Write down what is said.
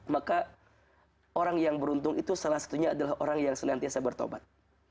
maka orang yang beruntung itu salah satunya adalah orang yang senantiasa bertobat